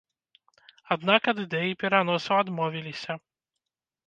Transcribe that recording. Аднак ад ідэі пераносу адмовіліся.